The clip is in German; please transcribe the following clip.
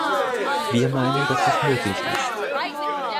Wir meinen, dass das möglich ist.